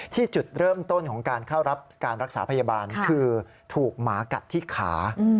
จุดเริ่มต้นของการเข้ารับการรักษาพยาบาลคือถูกหมากัดที่ขา